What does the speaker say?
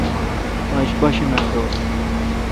آج پاشیمہ دوس۔